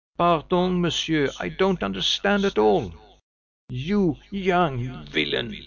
"Pardon, monsieur, I don't understand at all." "You young villain!